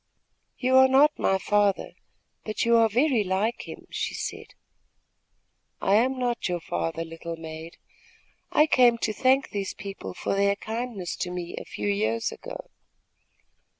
"You are not my father; but you are very like him," she said. "I am not your father, little maid. I came to thank these people for their kindness to me a few years ago."